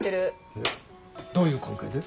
えっどういう関係で？